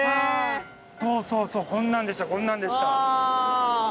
そうそうそうこんなんでしたこんなんでした。